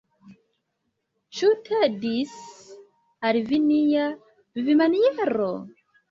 Ĉu tedis al vi nia vivmaniero?